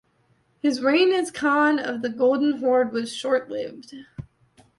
His reign as khan of the Golden Horde was short-lived.